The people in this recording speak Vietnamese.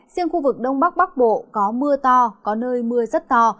riêng khu vực đông bắc bắc bộ có mưa to có nơi mưa rất to